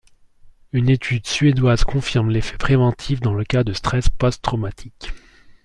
Une étude suédoise confirme l'effet préventif dans le cas de stress post-traumatique.